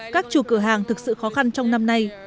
các chủ cửa hàng thực sự khó khăn trong năm nay